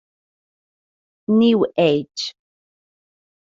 New Age.